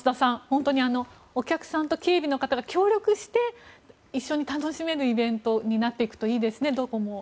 本当にお客さんと警備の方が協力して一緒に楽しめるイベントにどこもなっていくといいですね。